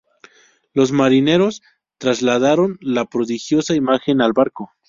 Los marineros trasladaron la prodigiosa imagen al barco.